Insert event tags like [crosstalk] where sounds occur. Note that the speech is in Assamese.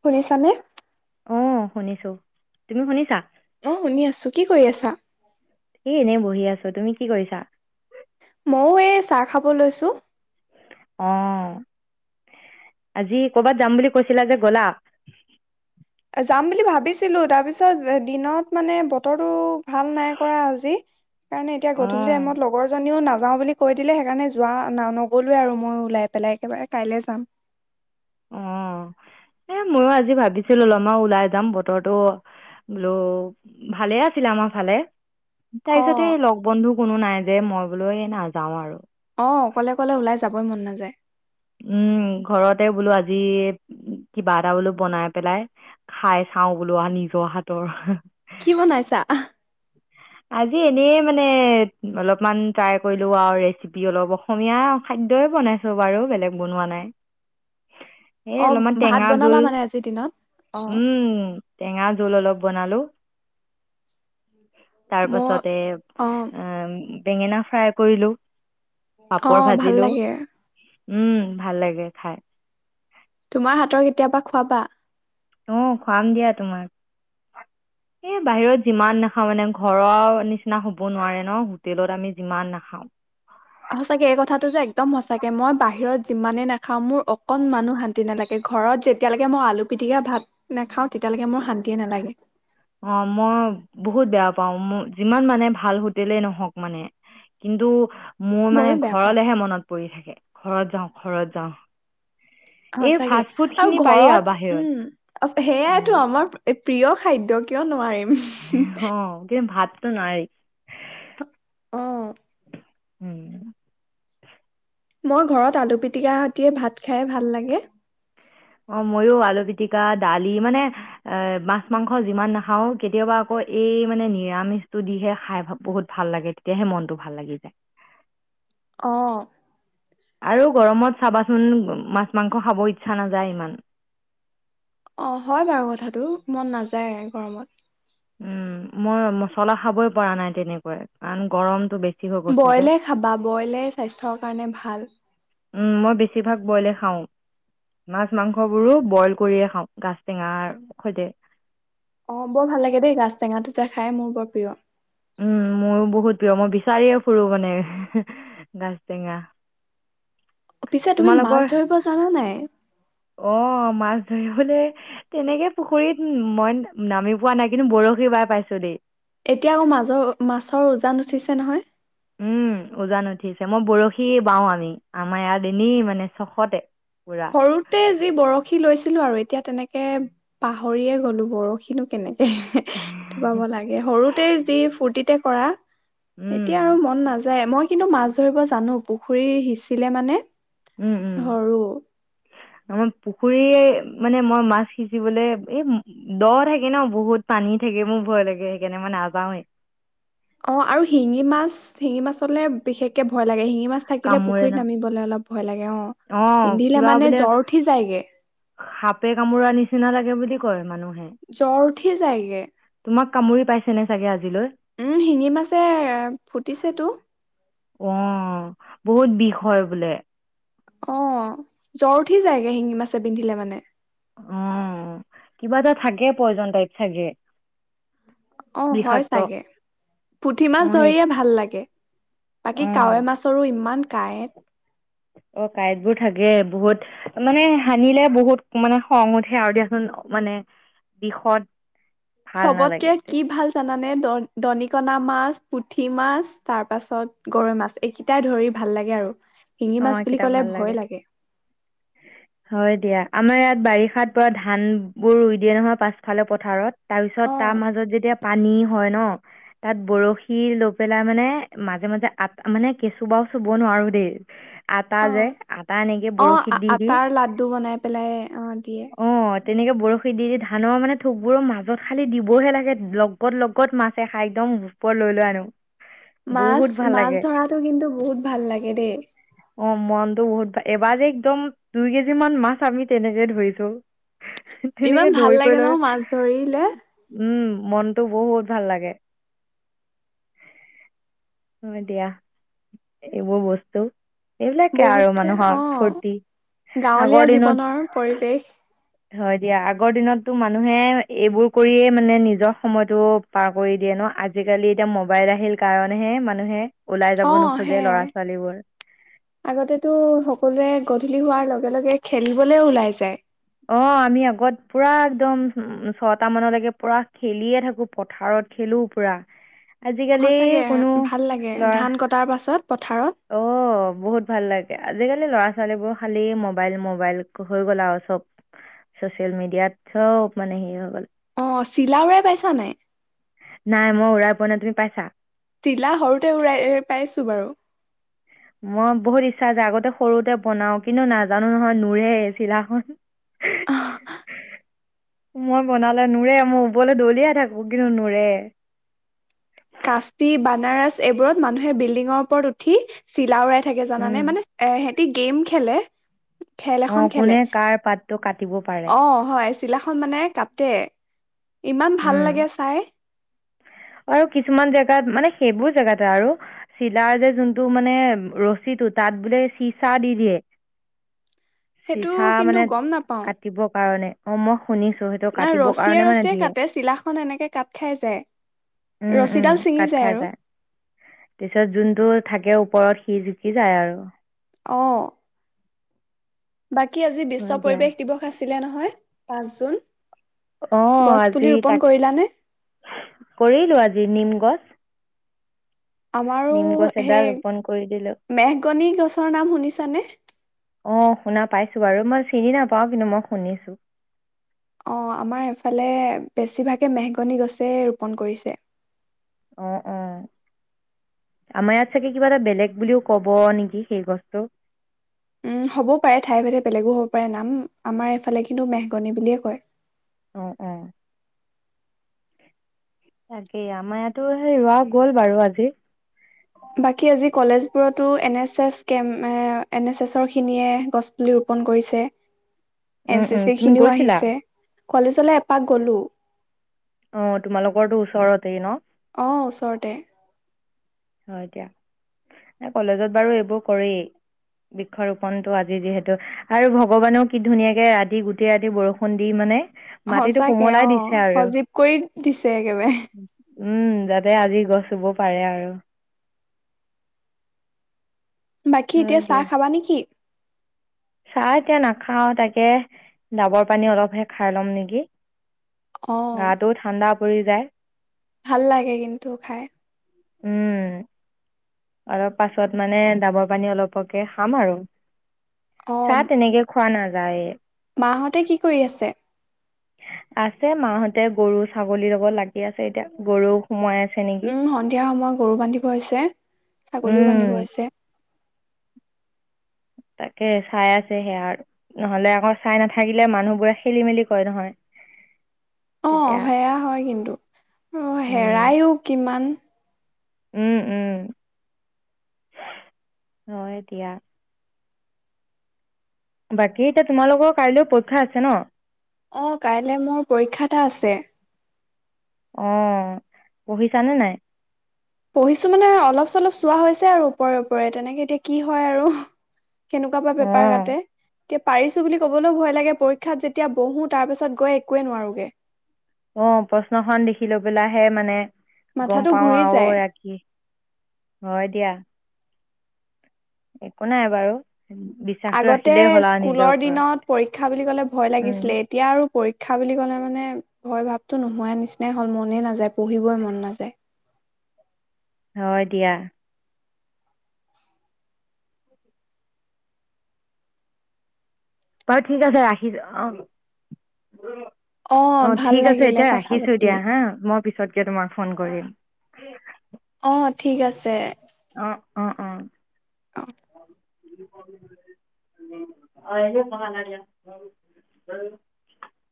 শুনিছা নে? অ' শুনিছো, তুমি শুনিছা? অ' শুনি আছো। কি কৰি আছা? এই এনেই বহি আছো তুমি কি কৰিছা? ময়ো এই চাহ খাব লৈছো। অ' আজি কৰ'বাত যাম বুলি কৈছিলা যে গ'লা? যাম বুলি ভাবিছিলো তাৰপিছত দিনত মানে বতৰটো ভাল নাই কৰা আজি। কাৰণে এতিয়া অ গধূলি টাইমত লগৰজনীও নাজ যাওঁ বুলি কৈ দিলে সেইকাৰণে যোৱা ন নগলোৱে আৰু মই ওলাই পেলাই একেবাৰে কাইলৈ যাম। অ' এ ময়ো আজি ভাবিছিলো অলপ আমাৰ ওলাই যাম বতৰটো বোলো ভালে আছিলে আমাৰ ফালে। তাৰ অ', পিছতে লগ বন্ধু কোনো নাই। যে মই বোলো এই নাযাওঁ আৰু অ' অকলে অকলে ওলাই যাবই মন নাযায়। উম ঘৰতে বোলো আজি কিবা এটা বোলো বনাই পেলাই খাই চাও বোলো আ নিজৰ হাতৰ। কি বনাইছা? আজি এনেই মানে অলপমান ট্ৰাই কৰিলো আৰু ৰেচিপি অলপ অসমীয়া খাদ্যই বনাইছো বাৰু বেলেগ বনোৱা নাই। এ অ', অলপমান ভাত টেঙা বনালা জোল মানে আজিৰ দিনত? অ', উম টেঙা জোল অলপ। বনালো। তাৰ মই পাছতে উ অ', বেঙেনা ফ্ৰাই কৰিলো। অ' ভাল লাগে। উম ভাল লাগে খাই। তোমাৰ হাতৰ কেতিয়াবা খোৱাবা। অ' খুৱাম দিয়া তোমাক এ বাহিৰত যিমান নাখাওঁ মানে ঘৰৰ নিচিনা হ'ব নোৱাৰে ন হোটেলত আমি যিমান নাখাওঁ। সঁচাকে এই কথাটো যে একদম সঁচাকে মই বাহিৰত যিমানে নাখাওঁ মোৰ অকনমানো শান্তি নালাগে ঘৰত যেতিয়ালৈকে মই আলু পিটিকা ভাত নাখাওঁ তেতিয়ালৈকে মোৰ শান্তিয়ে নালাগে। অ' মই বহুত বেয়া পাও যিমান মানে ভাল হোটেলে নহওক মানে কিন্তু। মোৰ মানে ময়ো বেয়া পাওঁ ঘৰলেহে মনত পৰি থাকে। ঘৰত যাও ঘৰত যাও। সঁচাকে আৰু ঘৰত উম উম সেইয়াতো আমাৰ প্ৰিয় খাদ্য কিয় নোৱাৰি। অ' যে ভাত [unintelligible] অ'। উম [inaudible] মই ঘৰত আলু পিতিকা দিয়ে ভাত খাই ভাল লাগে। অ' মইো আলু পিতিকা দালি মানে এ মাছ অহ ময় আলু পিতিকা ডালী মানে মাংস যিমান নাখাও কেতিয়াবা আকৌ এই মানে নিৰামিষটো দিহে খাই বহুত ভাল লাগে তেতিয়াহে মনটো ভাল লাগি যায়। অহ। আৰু গৰমত চাবাচোন মাছ মাংস খাব ইচ্ছা নাযায় ইমান। অ' হয় বাৰু কথাটো মন নাযায় গৰমত উম মই মছলা খাবই পৰা নাই তেনেকুৱাই কাৰণ গৰমতটো বেছি হৈ গৈছে যে বইলে খাবা বইলে স্বাস্থ্যৰ কাৰণে ভাল উম মই বেছিভাগ বইলে খাওঁ মাছ মাংসবোৰো বইল কৰিয়ে খাওঁ গাছ টেঙাৰ সৈতে অ' বৰ ভাল লাগে দেই গাছ টেঙা টো যো খাই মোৰ বৰ প্ৰিয় উম মোৰো বহুত প্ৰিয় মই বিচাৰিয়ে ফুৰো মানে গাজ টেঙা। পিছে তুমি মাছ তোমালোকৰ ধৰিব জানা নাই? ধৰিলে তেনেকে পুখুৰীত মই নামি পোৱা নাই কিন্তু বৰশী বাৰ পাইছো দেই এতিয়াও মাজৰ মাছৰ উজান উঠিছে নহয়। উম উজান উঠিছে মই বৰশী বাও আমি আমাৰ ইয়াত এনেই মানে ছশতে সৰুতে যি বৰশী লৈছিলো আৰু এতিয়া তেনেকে পাহৰিয়ে গ'লো বৰশিনো কেনে এ টোপাব লাগে সৰুতে যি ফূৰ্তিতে পৰা এতিয়া আৰু মন নাযায় মই কিন্তু মাছ ধৰিব জানো পুখুৰী সিঁচিলে মানে ধৰো আমাৰ পুখুৰীয়ে মানে মই মাছ সিচিবলৈ এ দ থাকে ন বহুত পানী থাকে মোৰ ভয় লাগে সেইকাৰণে মই নাযাওৱে অ আৰু শিঙি মাছ শিঙি মাছলে বিশেষকে ভয় লাগে শিঙি পি মাছ থাকিলে কামোৰে ন পুখুৰীত নামিবলৈ অলপ ভয় লাগে অ পিন্ধিলে কিবা মানে বোলে জ্বৰ উঠি যায়গে সাপে কামোৰা নিচিনা লাগে বুলি কয় মানুহ জ্বৰ উঠি যায়গে তোমাক কামুৰি পাইছে নে চাগে আজিলৈ উম শিঙি মাছে ফুটিছে তো অ বহুত বিষ হয় বোলে [inaudible] অ জ্বৰ উঠি যায়গে শিঙি মাছে পিন্ধিলে মানে অ কিবা এটা থাকে প্ৰয়জন টাইক চাগে [inaudible] অ হয় বিষাক্ত চাগে পুঠি মাছ অ সেই ধৰিয়ে ভাল লাগে বাকী অ কাৱৈ মাছৰো ইমান কায়ত অ কাঁটইটবোৰ থাকে বহুত মানে সানিলে বহুত মানে খং উঠে আৰু দিয়াচোন মানে বিষত ভাল চবতকে নালাগে কি ভাল জানানে দ দনিক না মাছ পুঠি মাছ তাৰ পাছত গৰৈ মাছ এইকেইটাই ধৰি ভাল লাগে আৰু শিঙি অ মাছ বুলি কেইটা ক'লে ভাল ভয় লাগে হয় দিয়া আমাৰ ইয়াত বাৰিষাত পৰা ধানবোৰ ৰুই দিয়ে নহয় পাছফালে পথাৰত তাৰ পিছত অ তাৰ মাজত যেতিয়া পানী হয় ন তাত বৰশী লৈ পেলাই মানে মাজে মাজে আ মানে কেঁচু বাাও চুব নোৱাৰো দেই আটা অ যে আটা এনেকে অ বৰশীত দি দি আটাৰ লাড্ডু বনাই পেলাই অ দিয়ে অ তেনেকে বৰশী দি দি ধানৰ মানে থোকবোৰৰ মাজত খালি দিবহে লাগে লগত লগত মাছ এ খাই একদম গোপৰ লৈ লোৱা আনো মাছ বহুত ভাল মাছ লাগে ধৰাতো কিন্তু বহুত ভাল লাগে দেই অ মনতটো বহুত এবাৰ একদম দুই কেজি মান মাছ আমি তেনেকে ধৰিছো তেনেকে ইমান ভাল ধৰি কৰি লাগে ন মাছ ধৰিলে মনতটো বহুত ভাল লাগে এ দিয়া এইবোৰ বস্তু এইবিলাকে আৰু বহুতে মানুহৰ অ ফূৰ্তি গাঁৱলীয়া আগৰ দিনত জীৱনৰ পৰিৱেশ হয় দিয়া আগৰ দিনতটো মানুহে এইবোৰ কৰিয়ে মানে নিজৰ সময়তটো পাৰ কৰি দিয়ে ন আজিকালি এতিয়া মোবাইল আহিল কাৰণেহে মানুহে ওলাই যাব অ', নোখোজে ল'ৰা সেয়াই ছোৱালীবোৰ আগতেতো সকলোৱে গধূলি হোৱাৰ লগে লগে খেলিবলে ওলাই যায় অ আমি আগত পুৰা একদম উ ছটা মানলৈকে পুৰা খেলিয়ে থাকো পথাৰত খেলো পুৰা আজিকালি সচাগে কোনো ভাল লাগে ল'ৰা ধান কটাৰ পাছত পথাৰ অ বহুত ভাল লাগে আজিকালি ল'ৰা ছোৱাল 'ৰা ছোৱালীবোৰ খালী মবাইল মবাইল হৈ গ'ল আৰু চব চচিয়েল মিডিয়াত সব মানে হেৰি হৈ গ'ল অ', চিলা উৰাই পাইছা নাই? নাই মই উৰাই পোৱা নাই তুমি পাইছা তিলা সৰুতে উৰাই পাইছো বাৰু। মই বহুত ইচ্ছা আছে আগতে সৰুতে বনাও কিন্তু নাজানো নহয় নুৰে চিলাখন মই বনালে নুৰে মোৰ ওপৰলৈ দলিয়াই থাকো কিন্তু নুৰে। কাচি বানাৰস এইবোৰত মানুহে বিল্ডিঙৰ ওপৰত উঠি চিলাওৰাই থাকে জানা উম নাই মানে এ এ গেম খেলে খেল অ এখন খেলে কোনে কাৰ পাতটো কাটিব পাৰে অ' হয় চিলাখন মানে কাটে ইমান ভাল উম লাগে চাই। আৰু কিছুমান জেগাত মানে সেইবোৰ জেগাতে আৰু চিলাৰ যে যোনটো মানে ৰছীটো তাত বোলে চিচা দি দিয়ে। সেইটো চিচা কিন্তু মানে কাটিবৰ কাৰণে অম না ৰছীয়ে ৰছীয়ে কাটে চিলা খন এনেকে কাট খাই যায়। উম উম ৰছীডাল ছিঙি কাট খাই আৰু যায় পিছত যোনটো থাকে। ওপৰত সি জুিকি যায় আৰু অ'। বাকী আজি বিশ্ব হয় দিয়া পৰিৱেশ দিৱস আছিলে নহয়। পাঁচ জুন। অ' গছ পুলি আজি ৰোপন তাকে কৰিলানে কৰিলো আজি নিম গছ। আমাৰো নিম গছ এডাল সেই, ৰোপন কৰি দিলো মেঘগনি গছৰ নাম শুনিছানে? অ' শুনা পাইছো বাৰু মই চিনি নাপাও কিন্তু মই শুনিছো। অ' আমাৰ এফালে বেছিভাগে মেহগনি গছে ৰোপণ কৰিছে। অ' অ' আমাৰ ইয়াত চাগে কিবা এটা বেলেগ বুলিও কব নেকি সেই গছটো। উম হ'বও পাৰে ঠাই ভে বেলেগো হওক। নাম আমাৰ এইফালে কিন্তু মেহগনি বুলিয়ে কয়। আহ আহ। তাকেই আমাৰ ইয়াতো সেই ৰোৱা গ'ল বাৰু আজি। বাকী আজি কলেজবোৰতো এন এছ এছ কে এন এছ এছৰ খিনিয়ে গছপুলি ৰোপন কৰিছে। N um C um C তুমি খিনিও গৈছিলা? আহিছে। কলেজলৈ এপাক গলো। অ' তোমালোকৰটো ওচৰতেই ন? অ ওচৰতে হয় এতিয়া কলেজত বাৰু এইবোৰ কৰেই বৃক্ষৰোপনটো আজি যিহেতু আৰু ভগৱানেও কি ধুনীয়াকে ৰাতি গোটেই ৰাতি বৰষুণ দি মানে। মাটিটো সচাকে কোমলাই অ' দিছে আৰু সজীৱ কৰি দিছে একেবাৰে। উম যাতে আজি গছ ৰুব পাৰে আৰু। বাকী এতিয়া হয় চাহ দিয়া খাবা নেকি? চাহ এতিয়া নাখাও তাকে ডাবৰ পানী অলপহে খাই লম নেকি। অ গাটো ঠাণ্ডা কৰি যায়। ভাল লাগে কিন্তু খাই। উম। অলপ পাছত মানে ডাবৰ পানী অলপকে খাম আৰু। অ চ তেনেক খ খোৱা নযায়। মাহঁতে কি কৰি আছে? আছে মাহতে গৰু ছাগলী ল'ব লাগি আছে এতিয়া গৰু সোমাই আছে। নেকি উম সন্ধিয়া সময়ত গৰু বান্ধিব হৈছে, ‌ ছাগলীও বান্ধিব উম হৈছে। তাকে চাই আছে সেয়া আৰু নহলে আকৌ চাই নাথাকিলে মানুহবোৰে খেলি মেলি কয় নহয় অ' তেতিয়া সেয়া হয় কিন্তু অ' উম হেৰাইো কিমান। উম উম। অ' এতিয়া বাকী এতিয়া তোমালোকৰ কাইলৈও পৰীক্ষা আছে ন? অ' কাইলৈ মোৰ পৰীক্ষা এটা আছে। অ' পঢ়িছানে নাই? পঢ়িছো মানে অলপ চলপ চোৱা হৈছে আৰু ওপৰে ওপৰে তেনেকে এতিয়া কি হয় আৰু কেনেকুৱা বা পেপাৰ অঁ কাটে তেতিয়া পাৰিছো বুলি কবলৈও ভয় লাগে পৰীক্ষাত যেতিয়া বহো তাৰ পিছত গৈ একোৱে নোৱাৰোগে। অ' প্ৰশ্নখন দেখি লৈ পেলাহে মানে গম মাথাটো পাও ঘূৰি যায়। অ' আৰু হয় দিয়া। একো নাই বাৰু বিশ্বাসটো আগতে ৰাখিলেই হ'ল আৰু নিজৰ স্কুলৰ ওপৰত দিনত পৰীক্ষা বুলি কলে ভয় উম লাগিছিলে এতিয়া আৰু পৰী শিক্ষা বুলি ক'লে মানে ভয় ভাৱতটো নোহোৱাৰ নিচিনাই হ'ল। ‌ মনেই নাযায় পঢ়িবই মন নাযায়। হয় দিয়া। বাৰু ঠিক আছে ৰাখিছ অ'। অ' ভাল ঠিক আছে লাগিলে এতিয়া কথা ৰাখিছো পাতি দিয়া হা মই পিছতকে তোমাক ফোন কৰিম। অ' ঠিক আছে। অ' অ' অ'। অ [inaudible] অ' মানাৰা [inaudible]